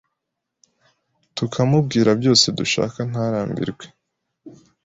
tukamubwira byose dushaka ntarambirwe